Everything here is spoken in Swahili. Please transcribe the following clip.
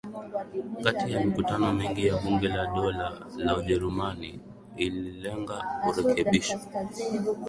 Kati na mikutano mingi ya Bunge la Dola la Ujerumani ililenga urekebisho